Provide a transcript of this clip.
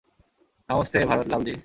Namaste, Bharat Lalji.